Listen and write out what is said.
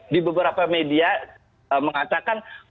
di beberapa media mengatakan